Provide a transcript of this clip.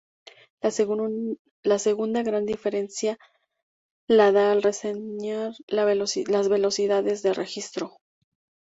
La segunda gran diferencia la da al reseñar las velocidades de registro.